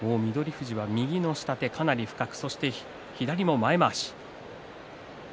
富士は右の下手かなり深く左の前まわし。